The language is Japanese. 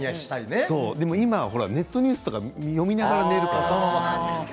でも今ネットニュースとか読みながら寝るから。